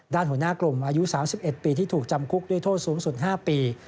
หัวหน้ากลุ่มอายุ๓๑ปีที่ถูกจำคุกด้วยโทษสูงสุด๕ปี